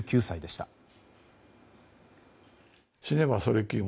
８９歳でした。